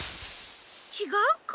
ちがうか。